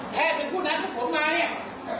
แพทย์เป็นผู้นัดพวกผมมาเนี่ย